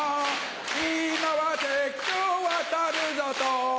今は鉄橋渡るぞと